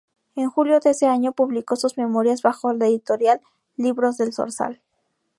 En julio de ese año público sus memorias bajo la editorial Libros del Zorzal.